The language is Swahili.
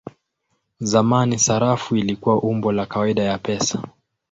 Zamani sarafu ilikuwa umbo la kawaida ya pesa.